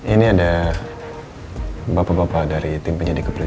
ini ada bapak bapak dari tim penyedia keperluan